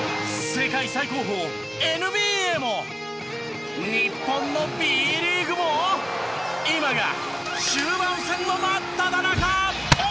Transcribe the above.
世界最高峰ＮＢＡも日本のＢリーグも今が終盤戦の真っただ中！